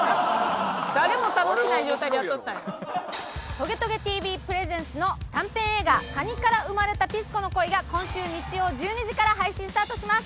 『トゲトゲＴＶ』プレゼンツの短編映画『蟹から生まれたピスコの恋』が今週日曜１２時から配信スタートします！